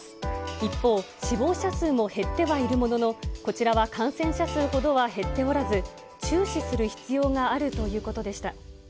一方、死亡者数も減ってはいるものの、こちらは感染者数ほどは減っておらず、注視する必要があるということでした。